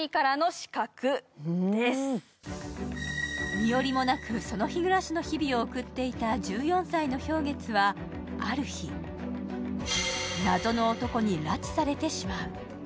身寄りもなく、その日暮らしの日々を送っていた１４歳の漂月はある日謎の男に拉致されてしまう。